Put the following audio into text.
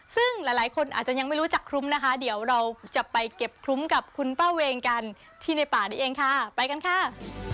ซึ่งหลายคนอาจจะยังไม่รู้จักคลุ้มนะคะเดี๋ยวเราจะไปเก็บคลุ้มกับคุณป้าเวงกันที่ในป่านี้เองค่ะไปกันค่ะ